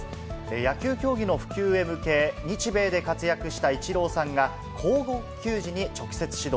野球競技の普及へ向け、日米で活躍したイチローさんが、高校球児に直接指導。